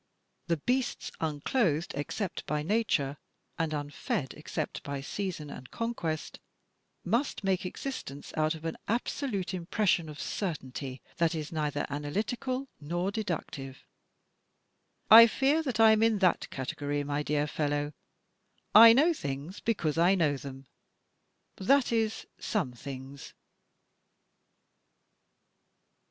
The beasts, unclothed except by nature and tmfed except by season and conquest, must make existence out of an absolute impression of certainty that is neither analytical nor deductive. I fear I am in that category, my dear fellow. I know things because I know them — that is, some things."